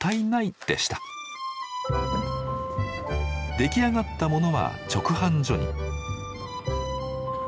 出来上がったものは直販所に。